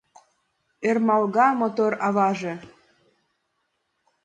Ӧрмалга мотор аваже!